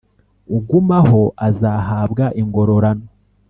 ugumaho, azahabwa ingororano;